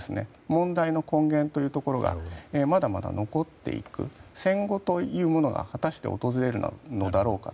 問題の根源というところがまだまだ残っていく戦後というものが果たして訪れるのだろうか。